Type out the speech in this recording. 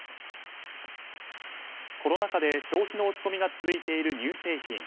コロナ禍で消費の落ち込みが続いている乳製品。